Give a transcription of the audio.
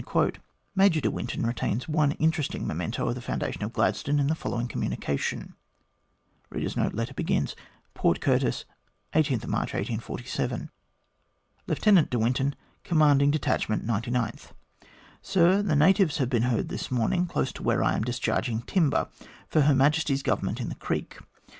Major de Winton retains one interesting memento of the foundation of Gladstone in the following communica tion : PORT CURTIS, March 18, 1847. LIEUTENANT DE WINTON, Commanding Detachment 99th. SIR, The natives have been heard this morning, close to where I am discharging timber for Her Majesty's Government in the creek.